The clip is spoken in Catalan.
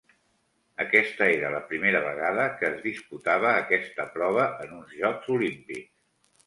Aquesta era la primera vegada que es disputava aquesta prova en uns Jocs Olímpics.